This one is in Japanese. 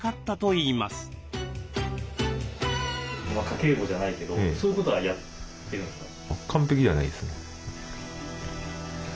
家計簿じゃないけどそういうことはやってるんですか？